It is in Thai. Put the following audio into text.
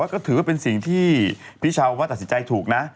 ก็ถือว่าเป็นสิ่งที่พี่ชาวว่าตัดสินใจถูกนะ